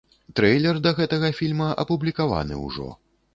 Трэйлер да гэтага фільма апублікаваны ўжо.